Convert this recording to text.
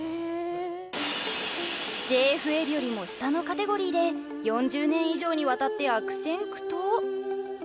ＪＦＬよりも下のカテゴリーで４０年以上にわたって悪戦苦闘。